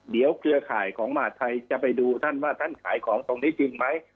เดี๋ยวเครือข่ายของมหาธัยจะไปดูท่านว่าท่านขายของตรงนี้จริงไหม